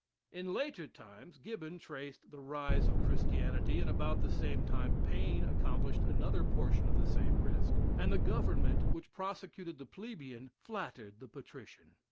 In later times Gibbon traced the rise of Christianity, and about the same time Paine accomplished another portion of the same risk and the Government which prosecuted the plebeian, flattered the patrician.